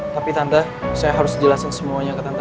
tapi tanda saya harus jelasin semuanya ke tante